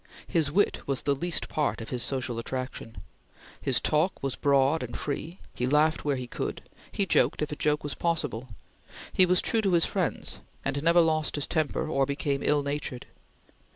His wit was the least part of his social attraction. His talk was broad and free. He laughed where he could; he joked if a joke was possible; he was true to his friends, and never lost his temper or became ill natured.